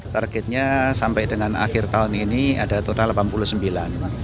targetnya sampai dengan akhir tahun ini ada total delapan puluh sembilan